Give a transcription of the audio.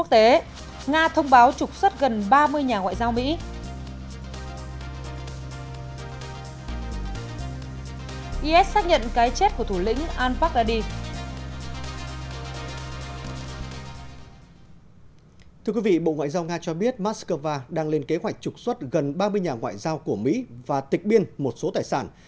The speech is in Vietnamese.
thưa quý vị bộ ngoại giao nga cho biết moscow đang lên kế hoạch trục xuất gần ba mươi nhà ngoại giao của mỹ và tịch biên một số tài sản